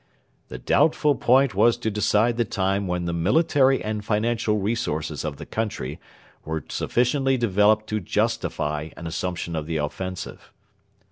'The doubtful point was to decide the time when the military and financial resources of the country were sufficiently developed to justify an assumption of the offensive.'